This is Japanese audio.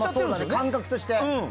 感覚として。